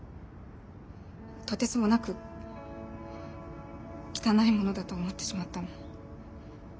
とてつもなく汚いものだと思ってしまったの。